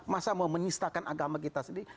masa mau menistakan agama kita sendiri